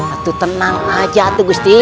satu tenang aja tuh gusti